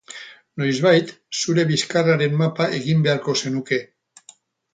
Noizbait zure bizkarraren mapa egin beharko zenuke.